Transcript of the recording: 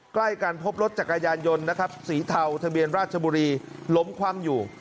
ใกล้การพบรถจักรยานยนต์สีเทาทะเบียนราชบุรีล้มความอยู่